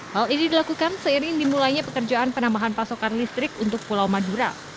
hal ini dilakukan seiring dimulainya pekerjaan penambahan pasokan listrik untuk pulau madura